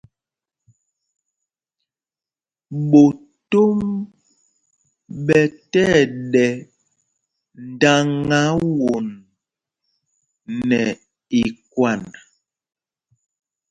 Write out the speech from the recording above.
Ɓotom ɓɛ tí ɛɗɛ ndáŋá won nɛ ikwand.